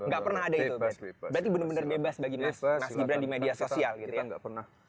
nggak pernah ada itu guys berarti bener bener bebas bagi di media sosial kita nggak pernah